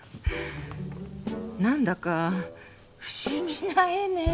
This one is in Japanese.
なんだか不思議な絵ねぇ。